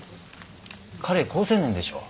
彼好青年でしょう。